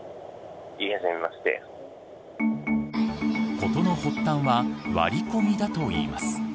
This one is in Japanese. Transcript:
事の発端は割り込みだといいます。